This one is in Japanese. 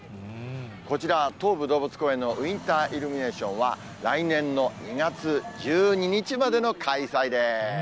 こちら、東武動物公園のウインターイルミネーションは、来年の２月１２日までの開催です。